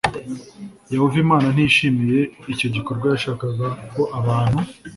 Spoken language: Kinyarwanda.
yehova imana ntiyishimiye icyo gikorwa yashakaga ko abantu